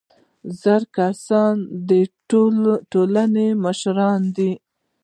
زاړه کسان د ټولنې مشران دي